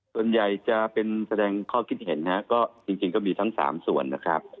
ส่วนใหญ่จะเป็นแสดงข้อคิดเห็นนะฮะก็จริงก็มีทั้ง๓ส่วนนะครับ